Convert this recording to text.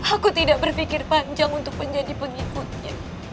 aku tidak berpikir panjang untuk menjadi pengikutnya